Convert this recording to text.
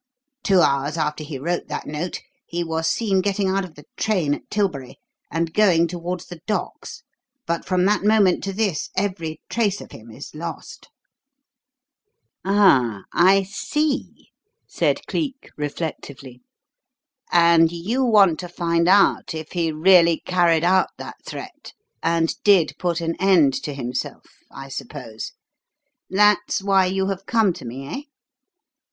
Two hours after he wrote that note he was seen getting out of the train at Tilbury and going towards the docks; but from that moment to this every trace of him is lost." "Ah, I see!" said Cleek reflectively. "And you want to find out if he really carried out that threat and did put an end to himself, I suppose? That's why you have come to me, eh?